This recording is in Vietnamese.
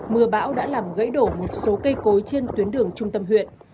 mưa bão đã làm gãy đổ một số cây cối trên tuyến đường trung tâm huyện